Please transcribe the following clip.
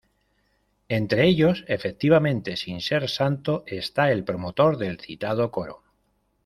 Entre ellos, efectivamente sin ser santo, está el promotor del citado coro.